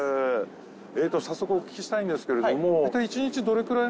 えっと早速お聞きしたいんですけれども。